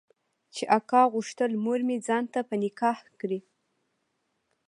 چې اکا غوښتل مورمې ځان ته په نکاح کړي.